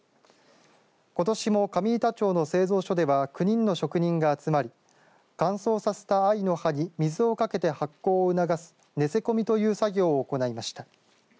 ことしも上板町の製造所では９人の職人が集まり乾燥させた藍の葉に水をかけて発酵を促す寝せ込みという作業を行いました。